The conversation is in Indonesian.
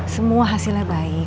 semua hasilnya baik